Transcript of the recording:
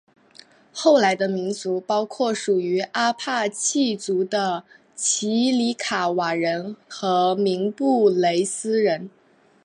后来的民族包括属于阿帕契族的奇里卡瓦人和明布雷斯人。